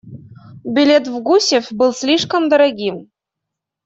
Билет в Гусев был слишком дорогим.